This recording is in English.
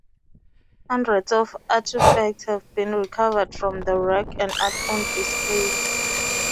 Hundreds of artefacts have been recovered from the wreck and are on display.